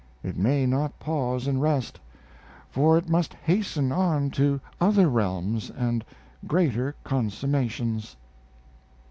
It may not pause and rest, for it must hasten on to other realms and greater consummations.